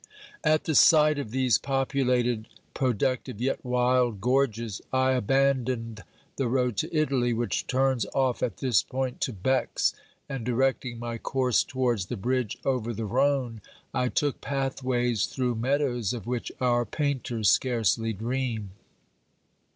At the sight of these populated, productive, yet wild gorges, I abandoned the road to Italy, which turns off at this point to Bex, and directing my course towards the bridge over the Rhone, I took pathways through meadows of which our painters scarcely dream.